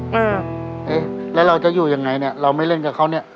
เออเอ๊ะแล้วเราจะอยู่ยังไงเนี่ยเราไม่เล่นกับเขาเนี่ย